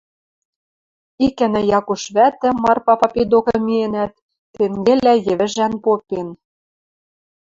Икӓнӓ Якуш вӓтӹ, Марпа папи докы миэнӓт, тенгелӓ йӹвӹжӓн попен: